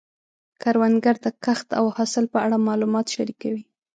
کروندګر د کښت او حاصل په اړه معلومات شریکوي